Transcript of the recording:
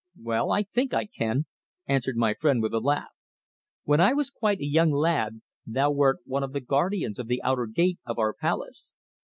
"Well, I think I can," answered my friend with a laugh. "When I was quite a young lad thou wert one of the guardians of the outer gate of our palace.